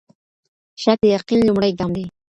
شک د يقين لومړی ګام دی.